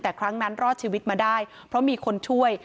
แต่ครั้งนั้นรอดชีวิตมาได้เพราะมีคนช่วย